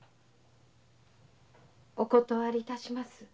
お断り致します。